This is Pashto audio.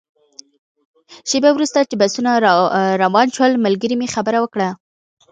شېبه وروسته چې بسونه روان شول، ملګري مې خبره وکړه.